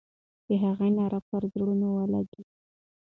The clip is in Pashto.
د هغې ناره به پر زړونو ولګي.